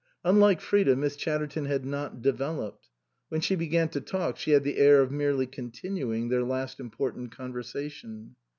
Unlike Frida, Miss Chatterton had not developed. When she began to talk she had the air of merely continuing their last important conversation.